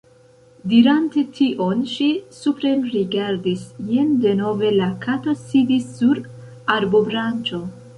Dirante tion, ŝi suprenrigardis. Jen denove la Kato sidis sur arbobranĉo.